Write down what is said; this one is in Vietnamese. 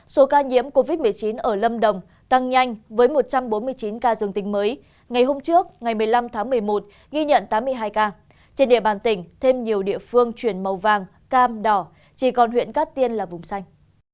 số ca nhiễm covid một mươi chín ở lâm đồng tăng nhanh với một trăm bốn mươi chín ca dương tính mới ngày hôm trước ngày một mươi năm tháng một mươi một ghi nhận tám mươi hai ca trên địa bàn tỉnh thêm nhiều địa phương chuyển màu vàng cam đỏ chỉ còn huyện cát tiên là vùng xanh